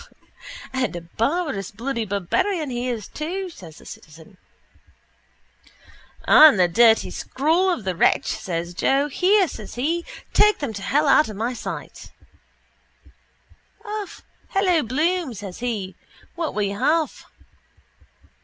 _ —And a barbarous bloody barbarian he is too, says the citizen. —And the dirty scrawl of the wretch, says Joe. Here, says he, take them to hell out of my sight, Alf. Hello, Bloom, says he, what will you have?